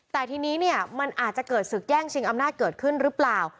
แต่ทีนี้เนี่ยมันอาจจะเกิดศึกแย่งชิงอำนาจเกิดขึ้นหรือเปล่า